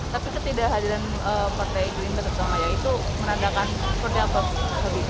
tapi ketidakhadiran partai keadilan sejahtera itu menandakan seperti apa